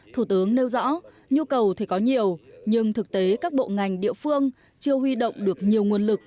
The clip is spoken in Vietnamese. thủ tướng nêu rõ nhu cầu thì có nhiều nhưng thực tế các bộ ngành địa phương chưa huy động được nhiều nguồn lực